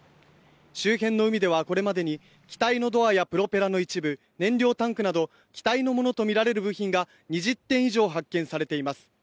周辺の海ではこれまでに機体のドアやプロペラの一部燃料タンクなど機体のものとみられる部品が２０点以上発見されています。